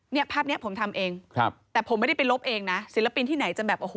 เนี่ยภาพเนี้ยผมทำเองครับแต่ผมไม่ได้ไปลบเองนะศิลปินที่ไหนจะแบบโอ้โห